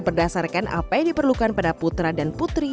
berdasarkan apa yang diperlukan pada putra dan putri